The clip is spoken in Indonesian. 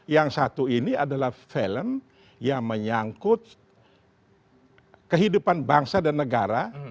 yang satu ini adalah film yang menyangkut kehidupan bangsa dan negara